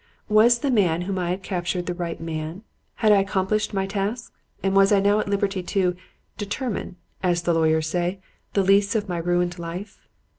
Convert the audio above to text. Was the man whom I had captured the right man? Had I accomplished my task, and was I now at liberty to 'determine,' as the lawyers say, the lease of my ruined life?